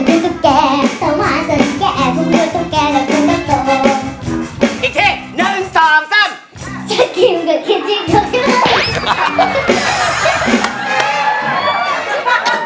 อีกทีหนึ่งสองสาม